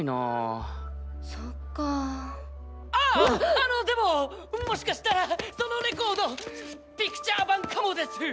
あのでももしかしたらそのレコードピクチャー盤かもです！